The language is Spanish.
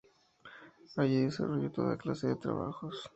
Allí desarrolló toda clase de trabajos.